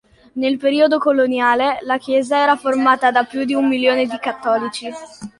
Nel periodo coloniale, la chiesa era formata da più di un milione di cattolici.